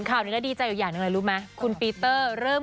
ข่าวนี้แล้วดีใจอยู่อย่างหนึ่งอะไรรู้ไหมคุณปีเตอร์เริ่ม